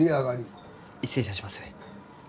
失礼いたします。